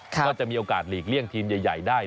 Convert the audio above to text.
ก็จะมีโอกาสหลีกเลี่ยงทีมใหญ่ได้